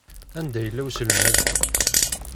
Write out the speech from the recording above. Anda yella uselmad?